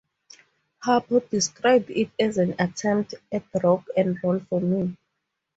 Harpo described it as an attempt at rock and roll for me.